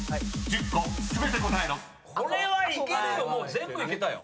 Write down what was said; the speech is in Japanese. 全部いけたよ。